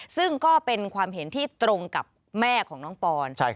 ซึ่งก็เป็นความเห็นที่ตรงกับแม่ของน้องปอน